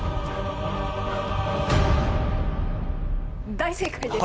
大正解です。